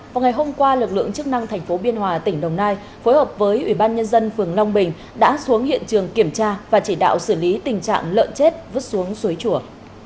vào ngày hôm qua lực lượng chức năng thành phố biên hòa tỉnh đồng nai phối hợp với ủy ban nhân dân phường long bình đã xuống hiện trường kiểm tra và chỉ đạo xử lý tình trạng lợn chết vứt xuống suối chùa